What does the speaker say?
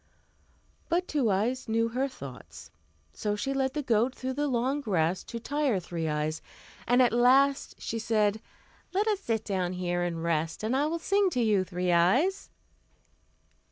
But Two Eyes knew her thoughts; so she led the goat through the long grass to tire Three Eyes, and at last she said, "Let us sit down here and rest, and I will sing to you, Three Eyes."